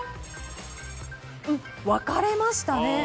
分かれましたね。